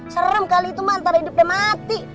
serem kali itu mah antara hidup dan mati